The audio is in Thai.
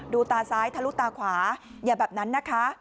ตาซ้ายทะลุตาขวาอย่าแบบนั้นนะคะ